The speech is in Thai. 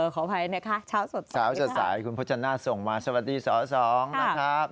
ขออภัยนะคะชาวสดสายคุณพุทธจันทร์ส่งมาสวัสดีสองนะครับ